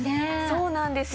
そうなんですよ。